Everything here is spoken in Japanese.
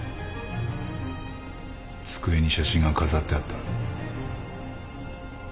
机に写真が飾ってあった。